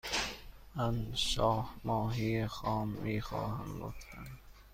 من شاه ماهی خام می خواهم، لطفا.